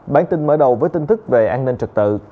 bản tin mở đầu với tin tức về an ninh trật tự